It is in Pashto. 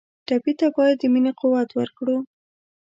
ټپي ته باید د مینې قوت ورکړو.